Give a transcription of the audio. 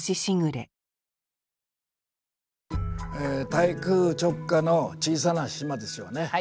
台風直下の小さな島ですよね。